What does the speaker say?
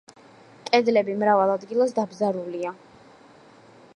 კედლები მრავალ ადგილას დაბზარულია.